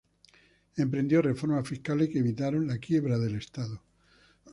Emprendió reformas fiscales que evitaron la quiebra del estado.